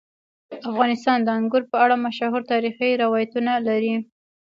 افغانستان د انګور په اړه مشهور تاریخی روایتونه لري.